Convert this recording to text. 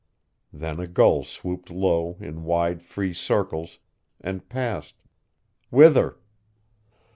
Then a gull swooped low in wide free circles, and passed whither?